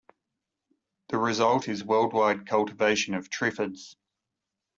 The result is worldwide cultivation of triffids.